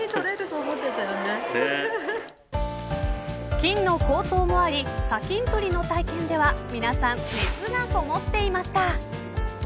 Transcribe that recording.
金の高騰もあり砂金採りの体験では皆さん、熱がこもっていました。